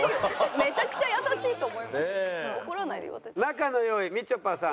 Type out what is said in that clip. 仲の良いみちょぱさん